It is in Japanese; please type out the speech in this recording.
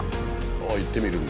行ってみるんだ。